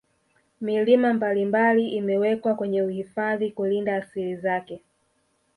Milima mbalimbali imewekwa kwenye uhifadhi kulinda asili zake